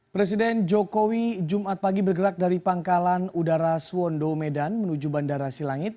presiden jokowi jumat pagi bergerak dari pangkalan udara suwondo medan menuju bandara silangit